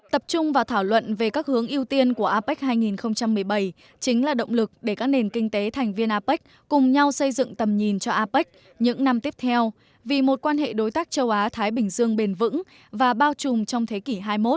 tập trung và thảo luận về các hướng ưu tiên của apec hai nghìn một mươi bảy chính là động lực để các nền kinh tế thành viên apec cùng nhau xây dựng tầm nhìn cho apec những năm tiếp theo vì một quan hệ đối tác châu á thái bình dương bền vững và bao trùm trong thế kỷ hai mươi một